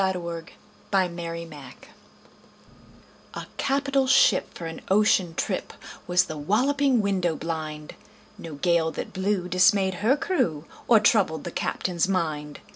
Y Z A Nautical Ballad A CAPITAL ship for an ocean trip Was The Walloping Window blind No gale that blew dismayed her crew Or troubled the captain's mind.